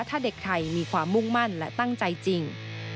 ถ้าเด็กไทยมีความมุ่งมั่นและตั้งใจจริง